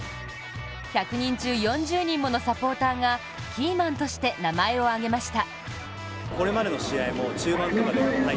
１００人中４０人ものサポーターがキーマンとして名前を挙げました。